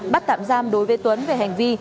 bắt tạm giam đối với tuấn về hành vi